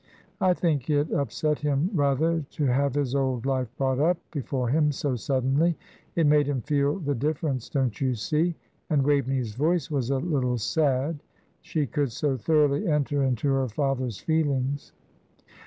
I think it upset him rather to have his old life brought up before him so suddenly; it made him feel the difference, don't you see!" and Waveney's voice was a little sad, she could so thoroughly enter into her father's feelings.